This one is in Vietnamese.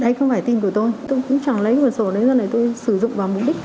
đây không phải tin của tôi tôi cũng chẳng lấy quần sổ đấy ra này tôi sử dụng vào mục đích